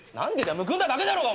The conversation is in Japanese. むくんだだけだろうが！